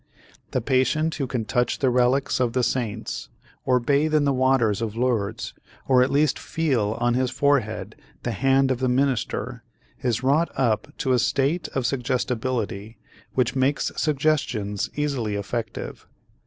The patient who can touch the relics of the saints or bathe in the waters of Lourdes or at least feel on his forehead the hand of the minister, is wrought up to a state of suggestibility which makes suggestions easily effective.